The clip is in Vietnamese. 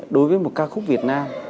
đối với một ca khúc việt nam